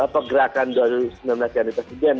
pergerakan dua ribu sembilan belas ganti presiden